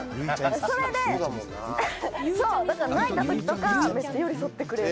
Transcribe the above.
それで泣いたときとかめっちゃ寄り添ってくれる。